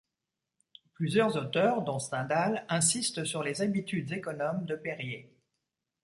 Plusieurs auteurs dont Stendhal insistent sur les habitudes économes de Perier.